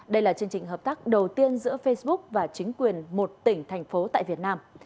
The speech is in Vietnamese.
đây là chương trình hợp tác đầu tiên giữa facebook và chính quyền một tỉnh thành phố tại việt nam